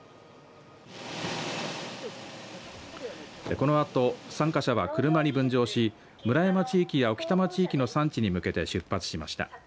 このあと参加者は車に分乗し村山地域や置賜地域の産地に向けて出発しました。